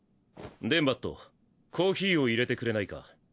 デンバットコーヒーを入れてくれないか。